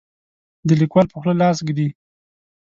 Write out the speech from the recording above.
د لیکوال په خوله لاس ږدي.